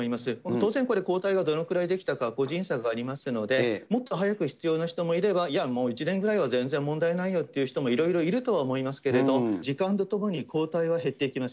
当然、これ、抗体がどのくらい出来たか、個人差がありますので、もっと早く必要な人もいれば、いや、もう１年ぐらいはもう全然問題ないよっていう人も、いろいろいるとは思いますけれども、時間とともに抗体は減っていきます。